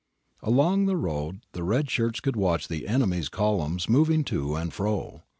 Along that road the red shirts could watch the enemy's columns moving to and fro.